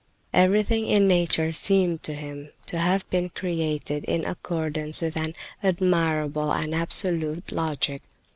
Everything in nature seemed to him to have been created in accordance with an admirable and absolute logic.